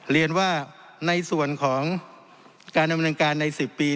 เรียนว่าในส่วนของการดำเนินการใน๑๐ปี